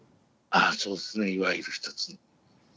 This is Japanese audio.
ああそうですねいわゆるひとつの。